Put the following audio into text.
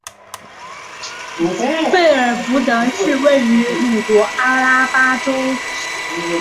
费尔福德是位于美国阿拉巴马州华盛顿县的一个非建制地区和人口普查指定地区。